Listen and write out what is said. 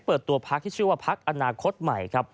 เปิดตัวพักที่ชื่อว่าพักอนาคตใหม่ครับ